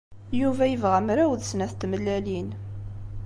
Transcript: Yuba yebɣa mraw d snat n tmellalin.